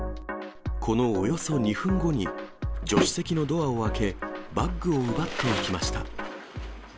このおよそ２分後に、助手席のドアを開け、バッグを奪っていきました。